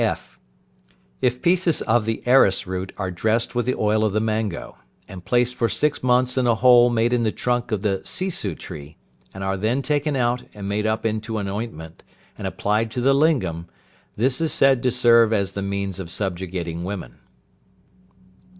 (f). If pieces of the arris root are dressed with the oil of the mango, and placed for six months in a hole made in the trunk of the sisu tree, and are then taken out and made up into an ointment, and applied to the lingam, this is said to serve as the means of subjugating women.